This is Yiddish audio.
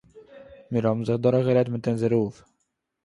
מיר האָבן זיך דורכגערעדט מיט אונזער רב